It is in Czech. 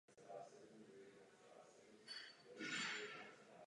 Měl na starosti nauku o výtvarných formách.